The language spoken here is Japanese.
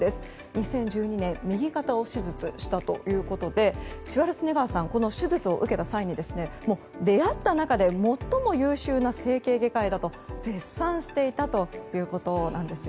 ２０１２年右肩を手術したということでシュワルツェネッガーさんは手術を受けたあとに出会った中で最も優秀な整形外科医だったと絶賛していたということなんです。